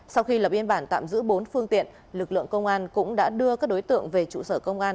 sau khi lập biên bản tạm giữ bốn phương tiện lực lượng công an cũng đã đưa các đối tượng về trụ sở công an